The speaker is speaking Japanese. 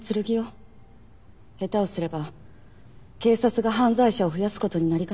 下手をすれば警察が犯罪者を増やす事になりかねない。